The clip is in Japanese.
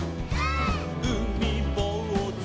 「うみぼうず」「」